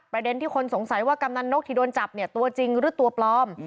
ประเด็นที่คนสงสัยว่ากำนันนกที่โดนจับเนี่ยตัวจริงหรือตัวปลอม